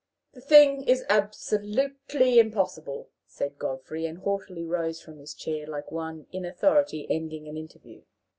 "The thing is absolutely impossible," said Godfrey, and haughtily rose from his chair like one in authority ending an interview.